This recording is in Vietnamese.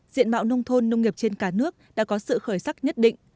diện mạo nông thôn nông nghiệp trên cả nước đã có sự khởi sắc nhất định